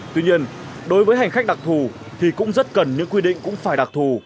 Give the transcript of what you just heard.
tuy nhiên đối với hành khách đặc thù thì cũng rất cần những quy định cũng phải đặc thù